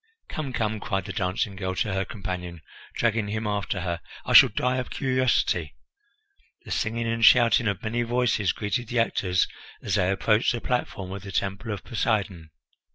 "Come! come!" cried the dancing girl to her companion, dragging him after her, "I shall die of curiosity." The singing and shouting of many voices greeted the actors as they approached the platform of the Temple of Poseidon.